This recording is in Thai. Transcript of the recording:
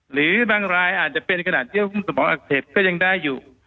หรือบางรายอาจจะเป็นขนาดเยื่อหุ้มสมองอักเสบก็ยังได้อยู่